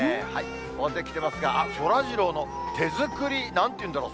大勢来てますが、そらジローの手作り、なんていうんだろう？